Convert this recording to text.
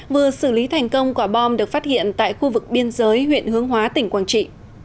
vừa xử lý thành công quả bom được phát hiện tại khu vực biên giới huyện hướng hóa tỉnh quảng trị